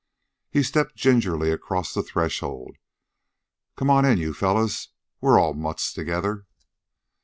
He stepped gingerly across the threshold. " Come on in, you fellows. We're all mutts together."